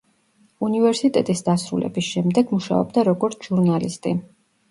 უნივერისტეტის დასრულების შემდეგ მუშაობდა როგორც ჟურნალისტი.